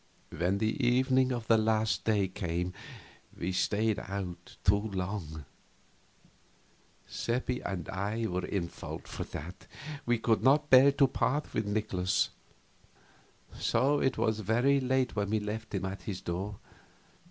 When the evening of the last day came we stayed out too long; Seppi and I were in fault for that; we could not bear to part with Nikolaus; so it was very late when we left him at his door.